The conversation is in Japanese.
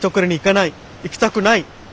行きたくない。